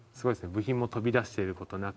部品も飛び出してる事なく。